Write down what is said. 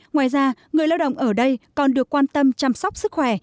ngoài ra người lao động ở đây còn được quan tâm chăm sóc sức khỏe